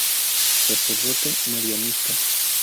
Sacerdote marianista.